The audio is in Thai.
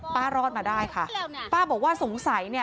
รอดมาได้ค่ะป้าบอกว่าสงสัยเนี่ย